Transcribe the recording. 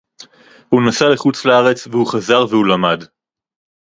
הוא נסע לחוץ-לארץ והוא חזר והוא למד